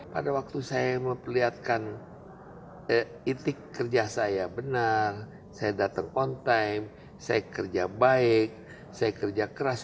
pada waktu saya memperlihatkan itik kerja saya benar saya datang on time saya kerja baik saya kerja keras